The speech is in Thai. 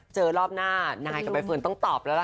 เจอพี่หนุ่มลอบหน้านายกับไปเฟิร์นต้องตอบ